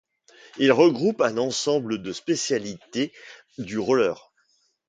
Il regroupe un ensemble de spécialités du roller.